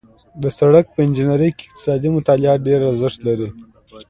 د سړک په انجنیري کې اقتصادي مطالعات ډېر ارزښت لري